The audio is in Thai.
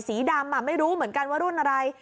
สีดำไม่รู้เหมือนกันว่ารุ่นอะไร